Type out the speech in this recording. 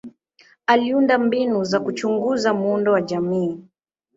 Aliunda mbinu za kuchunguza muundo wa jamii.